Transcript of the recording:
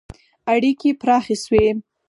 • اړیکې پراخې شوې.